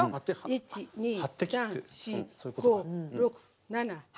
１、２、３、４、５、６、７、８。